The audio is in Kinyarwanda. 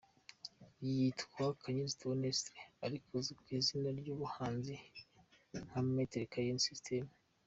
Yitwa Kanyenzi Theoneste ariko azwi ku izina ry’ubuhanzi nka Maitre Kanyenzi System.